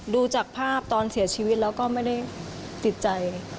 ดูจากภาพตอนเสียชีวิตแล้วก็ไม่ได้ติดใจ